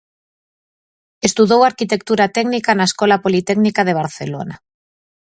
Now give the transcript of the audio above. Estudou Arquitectura técnica na Escola Politécnica de Barcelona.